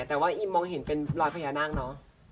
แต่ว่าอิมมองเห็นเป็นรอยพญานาคเนอะ